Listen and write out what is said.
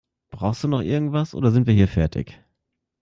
Brauchst du noch irgendetwas oder sind wir hier fertig?